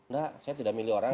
enggak saya tidak milih orang